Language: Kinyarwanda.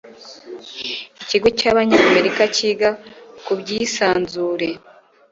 ikigo cy'abanyamerika kiga kuby'isanzure